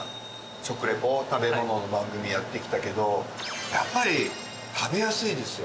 食リポ食べ物の番組やってきたけどやっぱり食べやすいですよ。